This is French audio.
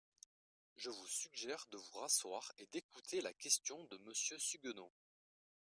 Je vous suggère de vous rasseoir et d’écouter la question de Monsieur Suguenot.